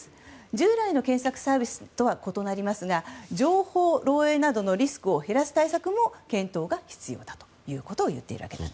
従来の検索サービスとは異なりますが情報漏洩などのリスクを減らす対策も検討が必要だということをいっています。